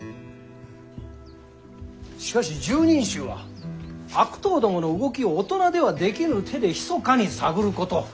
しかし拾人衆は悪党どもの動きを大人ではできぬ手でひそかに探ること。